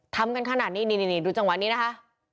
ทำกันขนาดนี้นี่ดูจังหวะนี้นะคะ